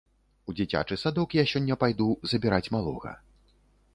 У дзіцячы садок я сёння пайду забіраць малога.